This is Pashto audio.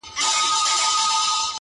ستا دی که قند دی،